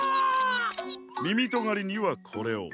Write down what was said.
みみとがりにはこれを。